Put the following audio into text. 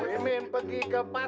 salimim pergi ke patar